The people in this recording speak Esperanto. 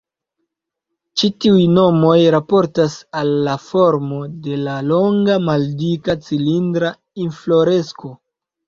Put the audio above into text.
Ĉi tiuj nomoj raportas al la formo de la longa, maldika, cilindra infloresko.